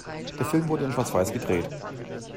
Der Film wurde in Schwarzweiß gedreht.